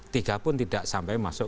tiga pun tidak sampai masuk